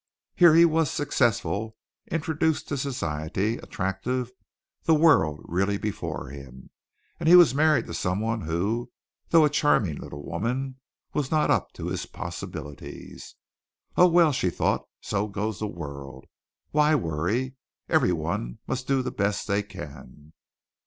Here he was successful, introduced to society, attractive, the world really before him, and he was married to someone who, though a charming little woman, was not up to his possibilities. "Oh, well," she thought, "so goes the world. Why worry? Everyone must do the best they can."